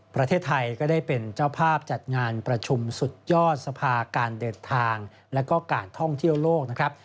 ประเทศไทยก็ได้เป็นเจ้าภาพจัดงานประชุมสุดยอดสภาการเดินทางและก็การท่องเที่ยวโลกนะครับ